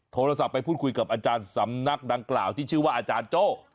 โทรศัพท์ไปพูดคุยกับอาจารย์สำนักดังกล่าวที่ชื่อว่าอาจารย์โจ้